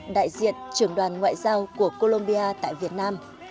đại diện trưởng đoàn ngoại giao của colombia tại việt nam